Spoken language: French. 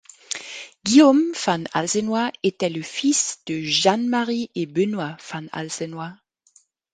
Guillaume Van Alsenoy était le fils de Jeanne-Marie et Benoît Van Alsenoy.